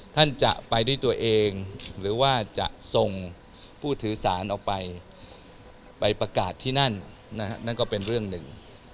ท่านจะไปด้วยตัวเองหรือว่าจะส่งผู้ถือสารออกไปไปประกาศที่นั่นนั่นก็เป็นเรื่องหนึ่ง